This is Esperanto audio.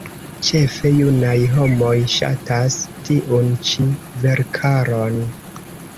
Ĉefe junaj homoj ŝatas tiun ĉi verkaron.